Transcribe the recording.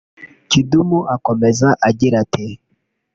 Kidumu akomeza agira ati